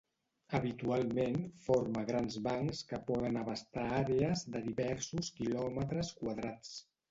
Habitualment forma grans bancs que poden abastar àrees de diversos kilòmetres quadrats.